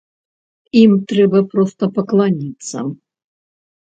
Ім трэба проста пакланіцца.